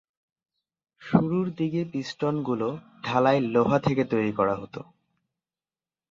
শুরুর দিকে পিস্টন গুলো ঢালাই লোহা থেকে তৈরি করা হতো।